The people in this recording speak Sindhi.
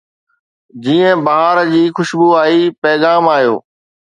جيئن بهار جي خوشبو آئي، پيغام آيو